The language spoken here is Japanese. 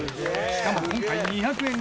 しかも今回２００円